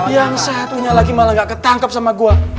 yang satunya lagi malah gak ketangkep sama gue